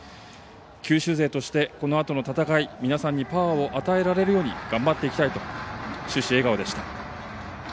九州勢としてこのあとの戦い、皆さんにパワーを与えられるように頑張っていきたいと終始笑顔でした。